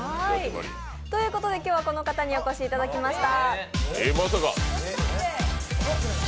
ということで今日はこの方にお越しいただきました。